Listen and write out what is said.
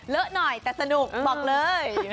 หน่อยแต่สนุกบอกเลย